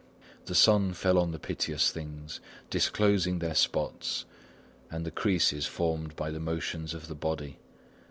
The sun fell on the piteous things, disclosing their spots and the creases formed by the motions of the body.